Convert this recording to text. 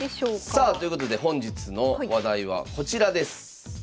さあということで本日の話題はこちらです。